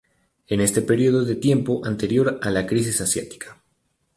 En este periodo de tiempo anterior a la crisis asiática.